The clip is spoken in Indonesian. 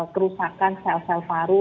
kerusakan sel sel paru